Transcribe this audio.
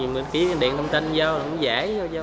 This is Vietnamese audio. mình ký điện thông tin vô giải vô